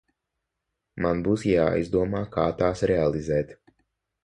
Man būs jāizdomā, kā tās realizēt.